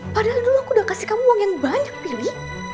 padahal dulu aku udah kasih kamu uang yang banyak pilih